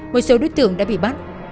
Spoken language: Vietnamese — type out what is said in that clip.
một số đối tượng đã bị bắt